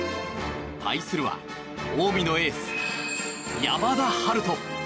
対するのは近江のエース山田陽翔。